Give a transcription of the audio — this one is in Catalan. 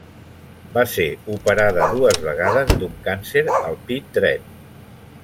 Va ser operada dues vegades d'un càncer al pit dret.